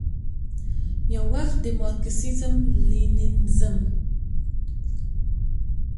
یووخت د مارکسیزم، لیننزم،